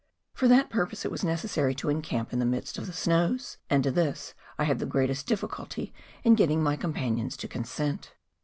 For that purpose it was necessary to encamp in the midst of the snows, and to this I had the greatest difficulty in getting my companions to consent.